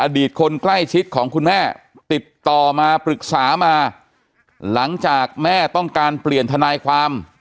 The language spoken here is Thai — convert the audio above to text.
ตคนใกล้ชิดของคุณแม่ติดต่อมาปรึกษามาหลังจากแม่ต้องการเปลี่ยนทนายความ